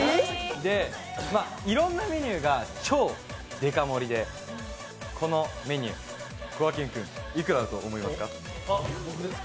いろいろなメニューが超デカ盛りでこのメニュー、こがけん君、いくらだと思いますか？